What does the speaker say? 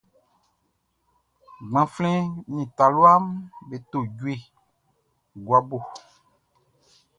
Gbanflɛn nin talua me to jue guabo.